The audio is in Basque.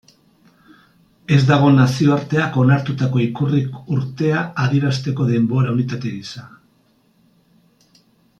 Ez dago nazioarteak onartutako ikurrik urtea adierazteko denbora unitate gisa.